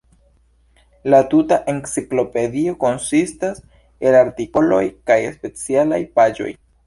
La tuta enciklopedio konsistas el artikoloj kaj specialaj paĝoj.